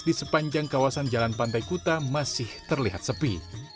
di sepanjang kawasan jalan pantai kuta masih terlihat sepi